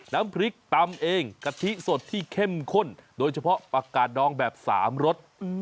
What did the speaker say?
น้ำพริกตำเองกะทิสดที่เข้มข้นโดยเฉพาะปากกาดดองแบบ๓รส